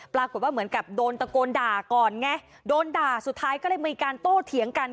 ปรากฏว่าเหมือนกับโดนตะโกนด่าก่อนไงโดนด่าสุดท้ายก็เลยมีการโต้เถียงกัน